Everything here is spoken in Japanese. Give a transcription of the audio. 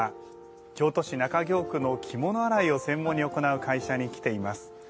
京都市中京区の着物洗いを専門に行う会社に来ています。